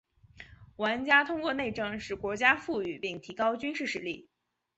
玩家通过内政使国家富裕并提高军事实力。